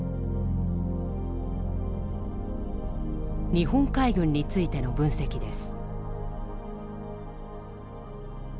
日本海軍についての分析です。